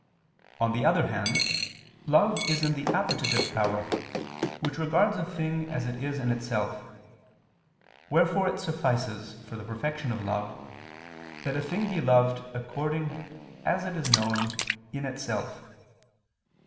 On the other hand, love is in the appetitive power, which regards a thing as it is in itself: wherefore it suffices, for the perfection of love, that a thing be loved according as it is known in itself.